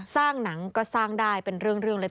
สร้างหนังก็สร้างได้เป็นเรื่องเล็ก